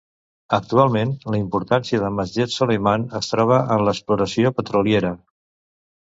Actualment, la importància de Masjed Soleyman es troba en l'exploració petroliera.